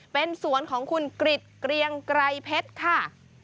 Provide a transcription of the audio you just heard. เป็นสวนของคุณกริจเกรียงไกรเพชรค่ะ